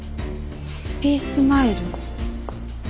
ハッピースマイル。